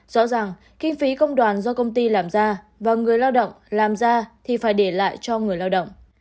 rõ ràng kinh phí công đoàn do công ty làm ra và người lao động làm ra thì phải để lại cho người lao động